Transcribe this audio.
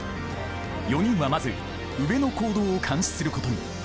４人はまず宇部の行動を監視することに。